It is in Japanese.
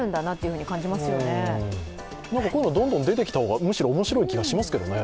こういうの、どんどん出てきた方が面白い気がしますけどね。